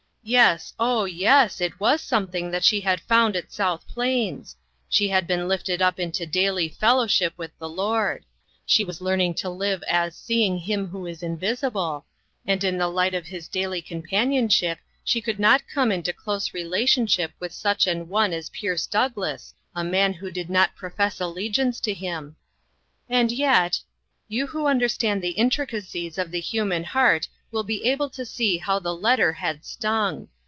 Yes, oh, yes, it was something that she had found at South Plains ; she had been lifted up into daily fellowship with the Lord. She was learning to live as "seeing him who is invisible," and in the light of his daity companionship she could not come into close relationship with such an one as Pierce Douglass, a man who did not profess allegiance to him. And yet, you who understand the intrica cies of the human heart will be able to see how the letter had stung.